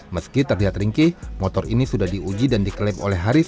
meski terlihat ringkih motor ini sudah diuji dan diklaim oleh haris